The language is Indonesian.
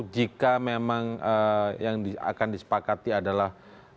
jika memang yang akan disepakati adalah